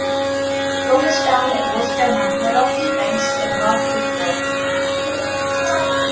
Strokestown hosts a number of events throughout the year.